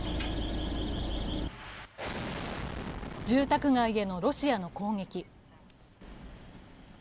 住宅街へのロシアの攻撃。